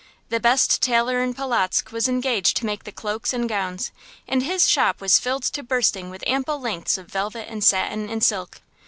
The best tailor in Polotzk was engaged to make the cloaks and gowns, and his shop was filled to bursting with ample lengths of velvet and satin and silk.